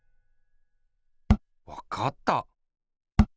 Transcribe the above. わかった！